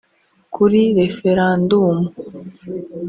Kuri “Referandumu”